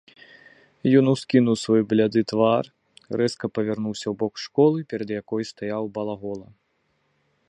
Ён ускінуў свой бляды твар, рэзка павярнуўся ў бок школы, перад якою стаяў балагола.